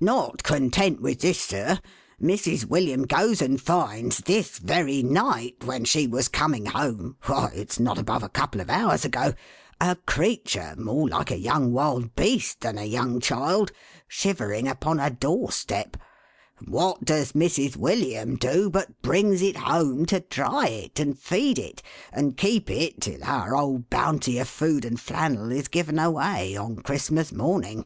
"Not content with this, sir, Mrs. William goes and finds, this very night, when she was coming home (why if s not above a couple of hours ago), a creature more like a young wild beast than a young child, shivering upon a door step. What does Mrs. William do, but brings it home to dry it, and feed it, and keep it till our old Bounty of food and flannel is given away, on Christmas morning